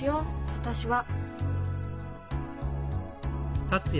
私は。